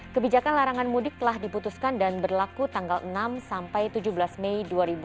kebijakan larangan mudik telah diputuskan dan berlaku tanggal enam sampai tujuh belas mei dua ribu dua puluh